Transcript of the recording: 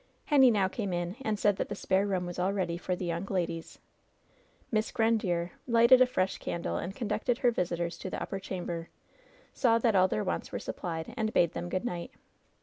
Henny now came in and said that the spare room was all ready for the young ladies. Miss Grandiere lighted a fresh candle, and conducted her visitors to the upper chamber, saw that all their wants were supplied, and bade them good night.